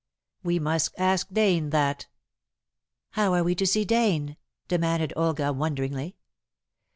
"We must ask Dane that." "How are we to see Dane?" demanded Olga wonderingly.